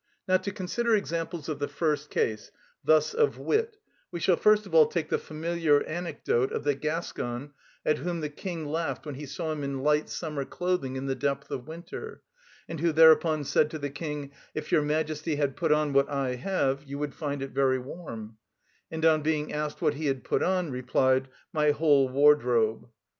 Now to consider examples of the first case, thus of wit, we shall first of all take the familiar anecdote of the Gascon at whom the king laughed when he saw him in light summer clothing in the depth of winter, and who thereupon said to the king: "If your Majesty had put on what I have, you would find it very warm;" and on being asked what he had put on, replied: "My whole wardrobe!"